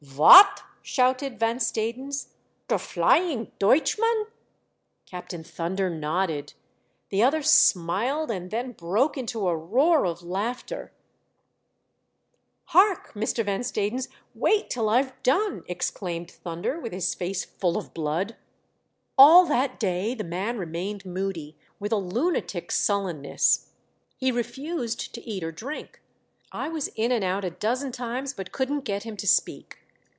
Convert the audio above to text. " Vot !" shouted Van Stadens. " Der Flying Deutchman !" Captain Thunder nodded. The other smiled, and then broke into a roar of laughter. Hark, Mr. Van Stadens, wait till I've done," exclaimed Thunder, with his face full of blood. " All that day the man remained moody, with a lunatic's sullenness. He refused to eat or drink. I was in and out a dozen times but couldn't get him to speak.